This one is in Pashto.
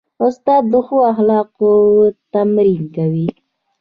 استاد د ښو اخلاقو تمرین کوي.